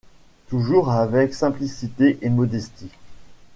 Toujours avec simplicité et modestie.